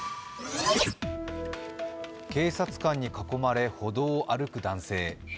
警察官に囲まれ歩道を歩く男性。